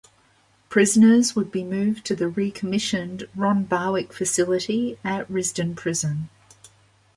Prisoners would be moved to the re-commissioned Ron Barwick facility at Risdon Prison.